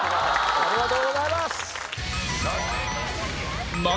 ありがとうございます。